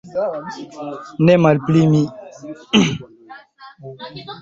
Ne malpli mi.